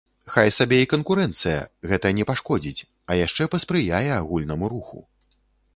Хай сабе і канкурэнцыя, гэта не пашкодзіць, а яшчэ паспрыяе агульнаму руху.